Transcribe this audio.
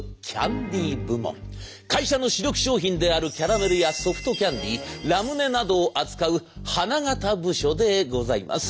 会社の主力商品であるキャラメルやソフトキャンディーラムネなどを扱う花形部署でございます。